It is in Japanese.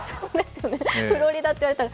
フロリダっていわれたら。